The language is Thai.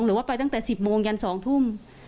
หรือว่าไปตั้งแต่๑๐โมงยัน๒ทุ่ม